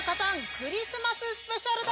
クリスマススペシャルだ！